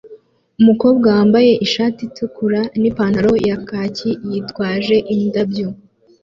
Umugore wambaye ishati itukura nipantaro ya kaki yitwaje indabyo